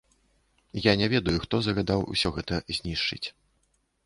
Я не ведаю, хто загадаў усё гэта знішчыць.